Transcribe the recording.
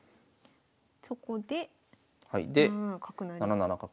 そこで７七角成。